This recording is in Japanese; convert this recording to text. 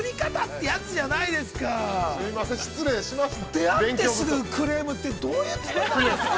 ◆出会ってすぐクレームってどういうつもりなんですか。